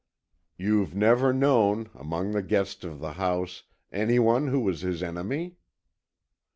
"You've never known, among the guests of the house, any one who was his enemy?"